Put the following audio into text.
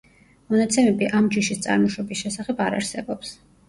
მონაცემები ამ ჯიშის წარმოშობის შესახებ არ არსებობს.